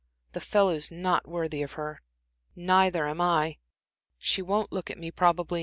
The fellow's not worthy of her. Neither am I. She won't look at me, probably.